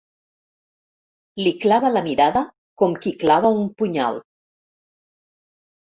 Li clava la mirada com qui clava un punyal.